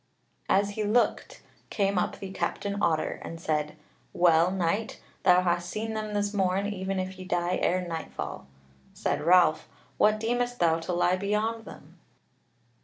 As he looked, came up the Captain Otter, and said: "Well, Knight, thou hast seen them this morn, even if ye die ere nightfall." Said Ralph: "What deemest thou to lie beyond them?"